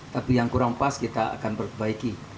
tapi yang kurang pas kita akan perbaiki